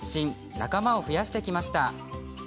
仲間を増やしてきました。